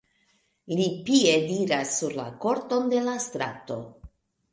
Li piediras sur la koton de la strato.